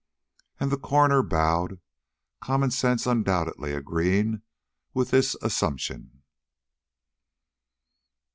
And the coroner bowed; common sense undoubtedly agreeing with this assumption.